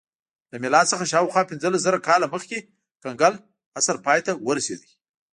له میلاد څخه شاوخوا پنځلس زره کاله مخکې کنګل عصر پای ته ورسېد